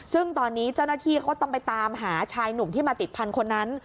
ซึ่งตอนนี้เจ้าหน้าที่เขาต้องไปตามหาชายหนุ่มที่มาติดพันธุ์นั้น